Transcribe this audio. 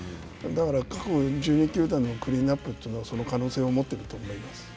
だから、各１２球団のクリーンナップというのはその可能性を持っていると思います。